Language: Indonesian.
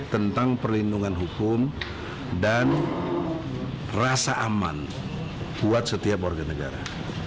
tentang perlindungan hukum dan rasa aman buat setiap warga negara